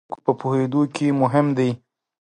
دا علم د انساني اړیکو په پوهیدو کې مهم دی.